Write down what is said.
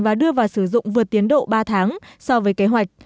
và đưa vào sử dụng vượt tiến độ ba tháng so với kế hoạch